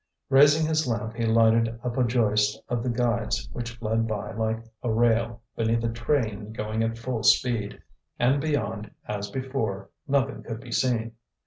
Raising his lamp he lighted up a joist of the guides which fled by like a rail beneath a train going at full speed; and beyond, as before, nothing could be seen.